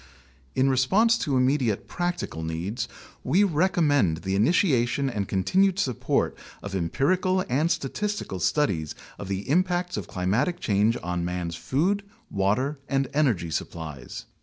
In response to immediate practical needs, we recommend the initia tion and continued support of empirical and statistical studies of the impacts of climatic change on man's food, water, and energy supplies.